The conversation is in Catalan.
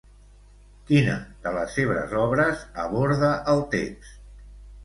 Quina de les seves obres aborda el text?